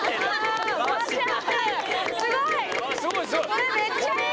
これめっちゃいい！